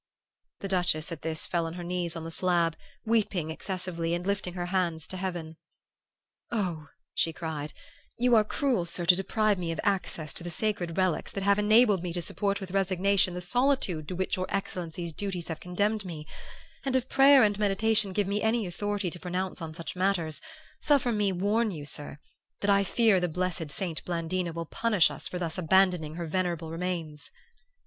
"The Duchess at this fell on her knees on the slab, weeping excessively and lifting her hands to heaven. "'Oh,' she cried, 'you are cruel, sir, to deprive me of access to the sacred relics that have enabled me to support with resignation the solitude to which your excellency's duties have condemned me; and if prayer and meditation give me any authority to pronounce on such matters, suffer me to warn you, sir, that I fear the blessed Saint Blandina will punish us for thus abandoning her venerable remains!